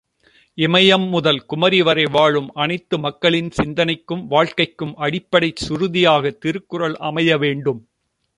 இமயம் முதல் குமரி வரை வாழும் அனைத்து மக்களின் சிந்தனைக்கும் வாழ்க்கைக்கும் அடிப்படைச் சுருதியாகத் திருக்குறள் அமைய வேண்டும்.